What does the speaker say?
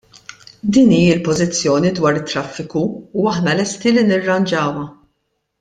Din hi l-pożizzjoni dwar it-traffiku u aħna lesti li nirranġawha.